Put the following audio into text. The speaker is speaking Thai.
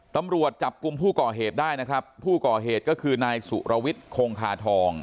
ตำรวจจับกลุ่มผู้ก่อเหตุได้นะครับผู้ก่อเหตุก็คือนายสุรวิทย์คงคาทอง